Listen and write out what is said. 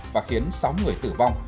và khiến sáu người tử vong